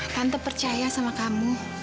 tante percaya sama kamu